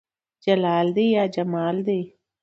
جلال دى يا جمال دى